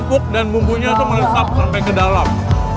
sipuk dan bumbunya itu melesap sampai ke dalam